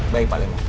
baik pak lemo